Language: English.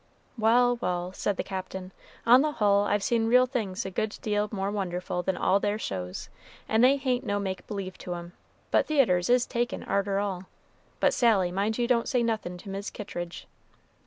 "Wal', wal'," said the Captain, "on the hull I've seen real things a good deal more wonderful than all their shows, and they hain't no make b'lieve to 'em; but theatres is takin' arter all. But, Sally, mind you don't say nothin' to Mis' Kittridge."